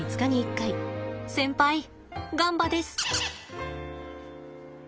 先輩ガンバです！